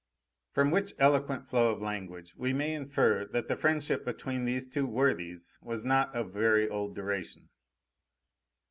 From which eloquent flow of language we may infer that the friendship between these two worthies was not of very old duration.